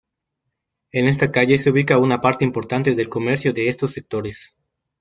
En esta calle se ubica una parte importante del comercio de estos sectores.